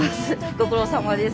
ご苦労さまです。